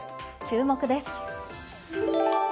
注目です。